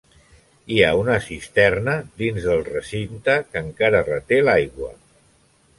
Hi ha una cisterna dins del recinte que encara reté l'aigua.